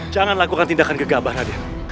jangan melakukan tindakan gegabah rajen